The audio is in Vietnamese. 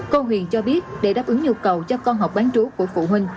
cô huyền cho biết để đáp ứng nhu cầu cho con học bán trú của phụ huynh